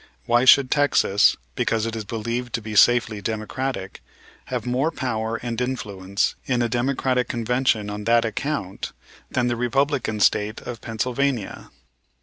Why should Texas, because it is believed to be safely Democratic, have more power and influence in a Democratic Convention on that account than the Republican State of Pennsylvania?